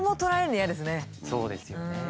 そうですよね。